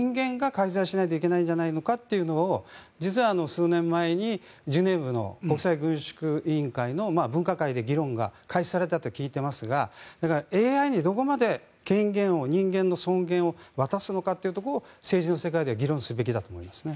あくまでそこは人間が介在しないといけないんじゃないかというのを実は数年前にジュネーブの国際軍縮委員会の分科会で議論が開始されたと聞いていますがＡＩにどこまで権限を人間の尊厳を渡すのかというのを政治の世界では議論すべきだと思いますね。